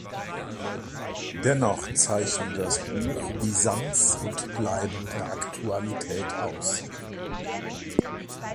Dennoch zeichne das Buch Bisanz und bleibende Aktualität aus.